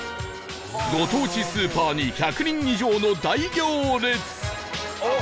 ご当地スーパーに１００人以上の大行列